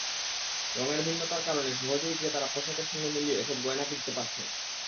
রঙের ভিন্নতার কারণে সহজেই ক্রেতারা পোশাকের সঙ্গে মিলিয়ে এসব গয়না কিনতে পারছেন।